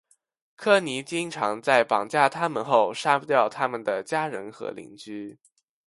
科尼经常在绑架他们后杀掉他们的家人和邻居。